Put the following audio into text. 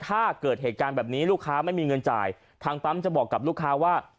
ถ้าเกิดเหตุการณ์แบบนี้ลูกค้าไม่มีเงินจ่ายทางปั๊มจะบอกกับลูกค้าว่า